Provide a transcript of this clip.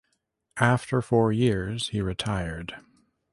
After four years, he retired.